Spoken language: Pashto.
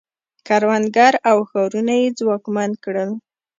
کروندګر او ښارونه یې ځواکمن کړل